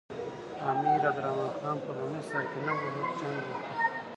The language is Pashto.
امیر عبدالرحمن خان په لومړي سر کې نه غوښتل جنګ وکړي.